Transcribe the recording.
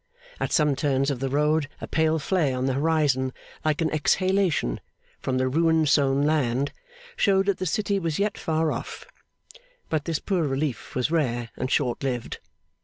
At some turns of the road, a pale flare on the horizon, like an exhalation from the ruin sown land, showed that the city was yet far off; but this poor relief was rare and short lived.